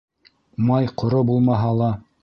Май ҡоро булмаһа ла.